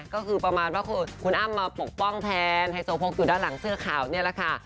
ก็คือประมาณว่าคุณอ้ำมาปกป้องแทนไฮโซโพกอยู่ด้านหลังเสื้อขาวนี่แหละค่ะ